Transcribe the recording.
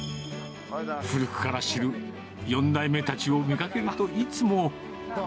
古くから知る４代目たちを見かけると、いつも。